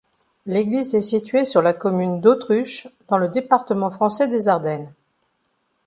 L'église est située sur la commune d'Autruche, dans le département français des Ardennes.